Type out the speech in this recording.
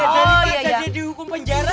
jadi kalau jadi dihukum penjara